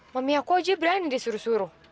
mami aku aja berani disuruh suruh